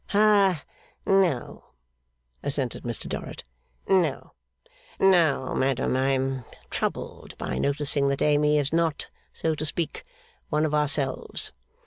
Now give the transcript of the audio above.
'Ha no,' assented Mr Dorrit. 'No. Now, madam, I am troubled by noticing that Amy is not, so to speak, one of ourselves.